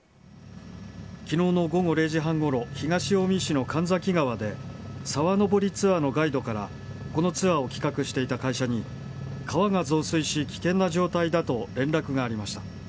昨日の午後０時半ごろ東近江市の神崎川で沢登りツアーのガイドからこのツアーを企画していた会社に川が増水し危険な状態だと連絡がありました。